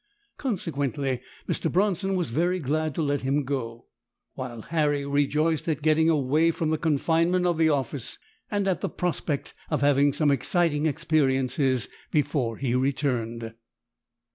Consequently Mr. Bronson was very glad to let him go, while Harry rejoiced at getting away from the confinement of the office, and at the prospect of having some exciting experiences before he returned.